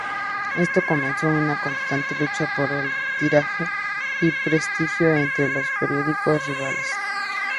Esto comenzó una constante lucha por el tiraje y prestigio entre los periódicos rivales.